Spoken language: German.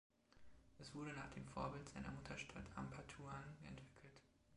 Es wurde nach dem Vorbild seiner Mutterstadt Ampatuan entwickelt.